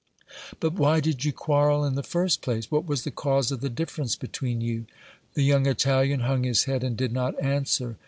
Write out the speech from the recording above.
"But why did you quarrel in the first place? What was the cause of the difference between you?" The young Italian hung his head and did not answer.